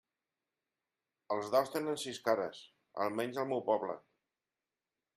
Els daus tenen sis cares, almenys al meu poble.